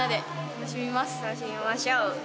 楽しみましょう。